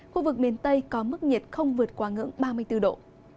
khu vực miền tây có mức nhiệt không vượt qua ngưỡng ba mươi bốn độ